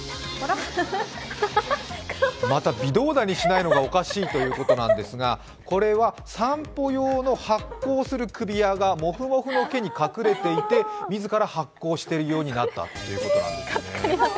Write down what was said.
また微動だにしないのがおかしいということなんですが、これは散歩用の発光する首輪がもふもふの毛に隠れていて自ら発光しているようになったということです。